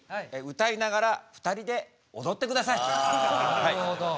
・なるほど。